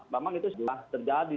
memang itu sudah terjadi